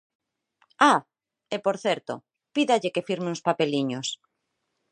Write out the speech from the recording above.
¡Ah! e, por certo, pídalle que firme uns papeliños.